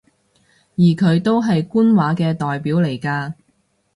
而佢都係官話嘅代表嚟嘅